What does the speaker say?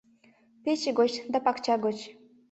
Пече гоч да пакча гоч